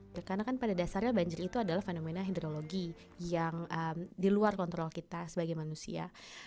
karena kan pada dasarnya banjir itu adalah fenomena hidrologi yang di luar kontrol kita sebagai manusia